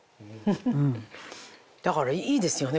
だからいいですよね